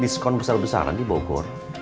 diskon besar besaran di bogor